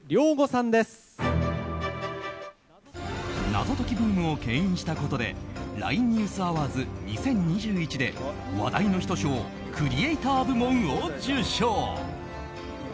謎解きブームを牽引したことでＬＩＮＥＮＥＷＳＡＷＡＲＤＳ２０２１で話題の人賞クリエイター部門を受賞。